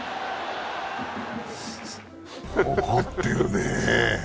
怒っているね。